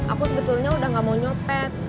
aku sebetulnya udah gak mau nyopet